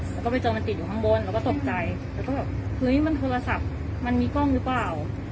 แล้วก็ไปเจอมันติดอยู่ข้างบนเราก็ตกใจแล้วก็แบบเฮ้ยมันโทรศัพท์มันมีกล้องหรือเปล่า